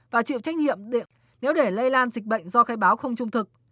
và chịu trách nhiệm nếu để lây lan dịch bệnh do khai báo không trung thực